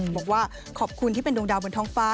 บอกว่าขอบคุณที่เป็นดวงดาวบนท้องฟ้า